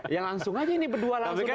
ya langsung aja ini berdua langsung dari awal